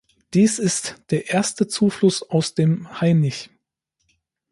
Dies ist der erste Zufluss aus dem Hainich.